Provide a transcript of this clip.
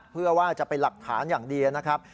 เพื่อว่าจะเป็นหลักฐานอย่างเดียวนะครับ